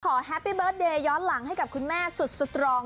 แฮปปี้เบิร์ตเดย์ย้อนหลังให้กับคุณแม่สุดสตรอง